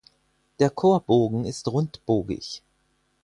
Der Chorbogen ist rundbogig.